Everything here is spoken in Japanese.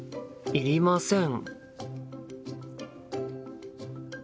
いりません。